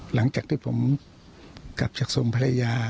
หลังจากที่ผมกลับจากทรงภรรยา